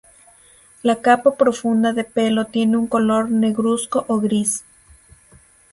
La capa profunda de pelo tiene un color negruzco o gris.